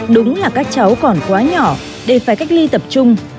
đúng là các cháu còn quá nhỏ để phải cách ly tập trung